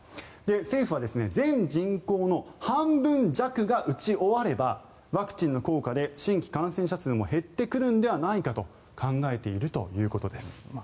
政府は、全人口の半分弱が打ち終わればワクチンの効果で新規感染者数も減ってくるのではないかと考えているということです。